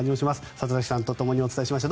里崎さんとともにお伝えしました。